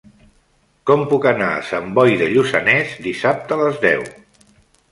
Com puc anar a Sant Boi de Lluçanès dissabte a les deu?